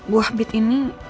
buah bit ini